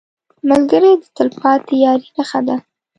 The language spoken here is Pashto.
ملګری د تلپاتې یارۍ نښه ده